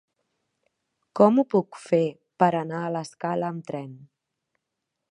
Com ho puc fer per anar a l'Escala amb tren?